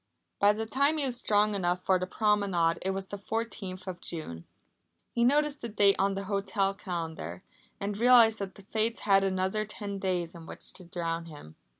By the time he was strong enough for the promenade it was the fourteenth of June. He noticed the date on the hotel calendar, and realised that the Fates had another ten days in which to drown him.